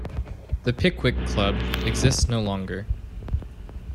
The Pickwick Club exists no longer.